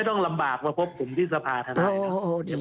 ต้องลำบากว่าพบผมที่สภาษณ์ไทยครับ